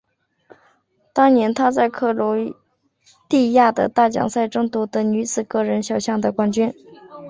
当年她在克罗地亚的大奖赛中夺得女子个人小项的冠军。